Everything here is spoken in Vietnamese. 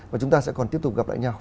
và chúng ta sẽ còn tiếp tục gặp lại nhau